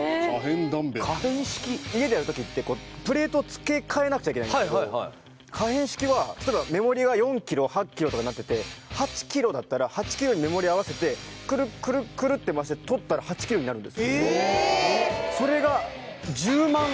家でやる時ってこうプレートを付け替えなくちゃいけないんですけど可変式は例えば目盛りが４ｋｇ８ｋｇとかになってて８ｋｇだったら８ｋｇに目盛り合わせてクルクルクルッて回して取ったら８ｋｇになるんですよおおっ